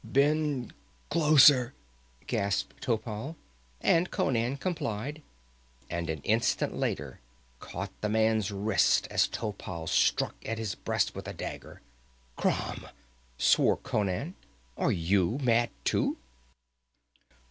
"Bend closer," gasped Topal, and Conan complied and an instant later caught the man's wrist as Topal struck at his breast with a dagger. "Crom!" swore Conan. "Are you mad, too?"